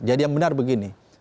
jadi yang benar begini